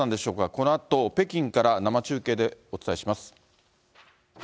このあと北京から生中継でお伝えします。